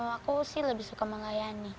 aku sih lebih suka melayani